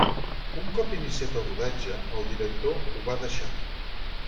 Un cop iniciat el rodatge, el director ho va deixar.